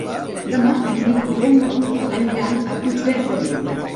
Demà en Nico i en Martí aniran a Puigverd de Lleida.